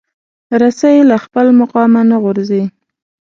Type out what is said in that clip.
رسۍ له خپل مقامه نه غورځي.